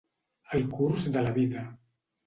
El curs de la vida.